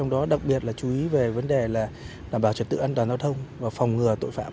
đặc biệt là chú ý về vấn đề là đảm bảo trật tự an toàn giao thông và phòng ngừa tội phạm